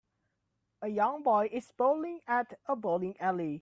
a young boy is bowling at a bowling alley.